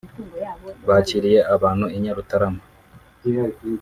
bakiriye abantu i Nyarutarama